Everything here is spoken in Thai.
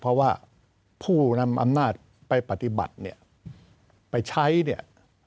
เพราะว่าผู้นำอำนาจไปปฏิบัติไปใช้